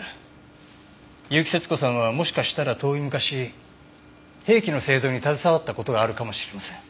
結城節子さんはもしかしたら遠い昔兵器の製造に携わった事があるかもしれません。